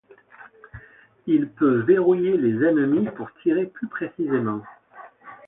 Il peut verrouiller les ennemis pour tirer plus précisément.